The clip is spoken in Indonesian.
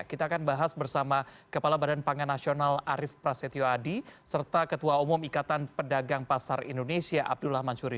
kita akan bahas bersama kepala badan pangan nasional arief prasetyo adi serta ketua umum ikatan pedagang pasar indonesia abdullah mansuri